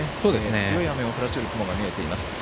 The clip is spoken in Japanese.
強い雨を降らせる雲が見えています。